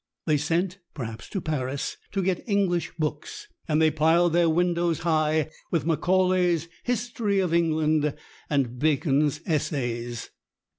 They sent, perhaps to Paris, to get English books, and they piled their windows high with Macaulay's "History of England" and Bacon's "Essays."